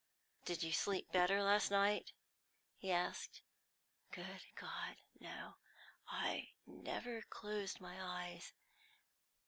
"Did you sleep better last night?" he asked. "Good God, no! I never closed my eyes.